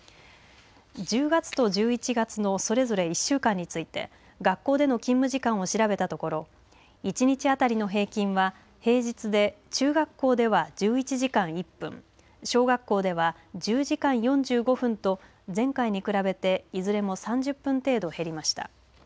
１０月と１１月のそれぞれ１週間について学校での勤務時間を調べたところ１日当たりの平均は平日で中学校では１１時間１分小学校では１０時間４５分と前回に比べていずれも３０分程度減りました。